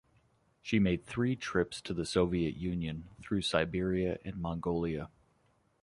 She made three trips to the Soviet Union, through Siberia and Mongolia.